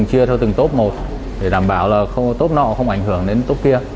chia theo từng tốp một để đảm bảo là tốp nọ không ảnh hưởng đến tốp kia